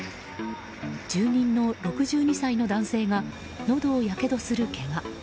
住人の６２歳の男性がのどをやけどするけが。